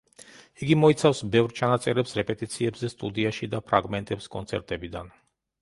იგი მოიცავს ბევრ ჩანაწერებს რეპეტიციებზე სტუდიაში და ფრაგმენტებს კონცერტებიდან.